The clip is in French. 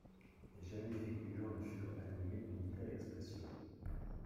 Jamais figures ne furent animées d'une telle expression.